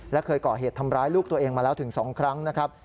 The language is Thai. และเคยก่อเหตุทำร้ายลูกตัวเองมาแล้วถึง๒ครั้งนะครับ